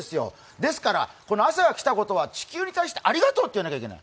ですから、朝が来たことは地球にありがとうって言わないといけない！